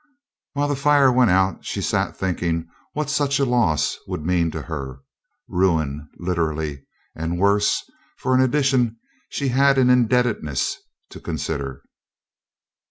While the fire went out she sat thinking what such a loss would mean to her ruin, literally; and worse, for in addition she had an indebtedness to consider.